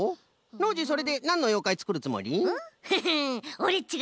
ノージーそれでなんのようかいつくるつもり？